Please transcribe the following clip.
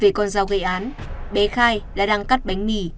về con rau gây án bé khai là đang cắt bánh mì